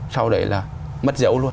sau đấy là mất dấu luôn